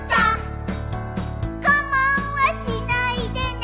「がまんはしないでね」